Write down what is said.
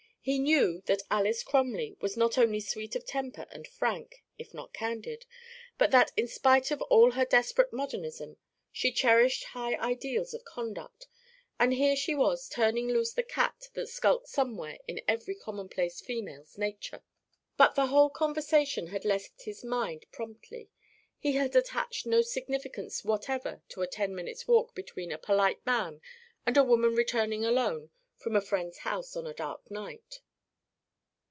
He knew that Alys Crumley was not only sweet of temper and frank, if not candid, but that in spite of all her desperate modernism she cherished high ideals of conduct; and here she was turning loose the cat that skulks somewhere in every commonplace female's nature. But the whole conversation had left his mind promptly. He had attached no significance whatever to a ten minutes' walk between a polite man and a woman returning alone from a friend's house on a dark night.